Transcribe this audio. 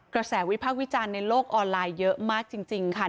กระแสวิพากษ์วิจารณ์ในโลกออนไลน์เยอะมากจริงค่ะ